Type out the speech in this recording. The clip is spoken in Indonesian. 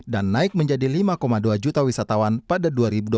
dan naik menjadi lima dua juta wisatawan pada dua ribu dua puluh tiga